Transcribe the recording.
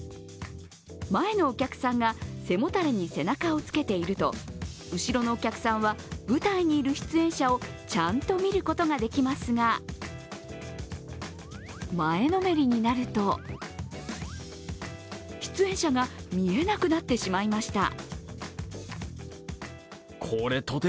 前のお客さんが背もたれに背中をつけていると後ろのお客さんは舞台にいる出演者をちゃんと見ることができますが前のめりになると、出演者が見えなくなってしまいました。